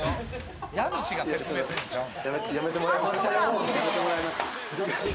やめてもらえます？